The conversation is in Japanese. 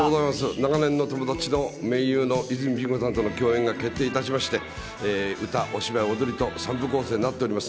長年の友達の、盟友の泉ピン子さんとの共演が決定いたしまして、歌、お芝居、踊りと３部構成になっております。